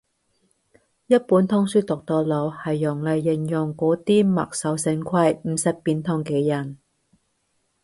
一本通書讀到老係用嚟形容嗰啲墨守成規唔識變通嘅人